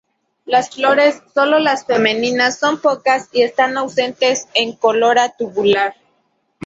Las flores, solo las femeninas son pocas o están ausentes en corola tubular.